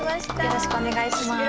よろしくお願いします。